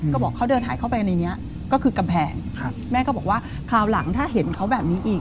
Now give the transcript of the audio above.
ก็บอกเขาเดินหายเข้าไปในนี้ก็คือกำแพงแม่ก็บอกว่าคราวหลังถ้าเห็นเขาแบบนี้อีก